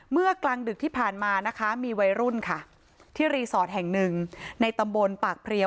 กลางดึกที่ผ่านมานะคะมีวัยรุ่นค่ะที่รีสอร์ทแห่งหนึ่งในตำบลปากเพลีย